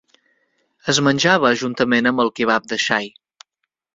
Es menjava juntament amb el kebab de xai.